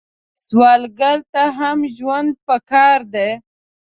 سوالګر ته هم ژوند پکار دی